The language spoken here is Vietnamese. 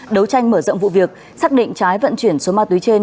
đấu tranh mở rộng vụ việc xác định trái vận chuyển số ma túy trên